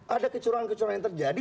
ada kecurangan kecurangan yang terjadi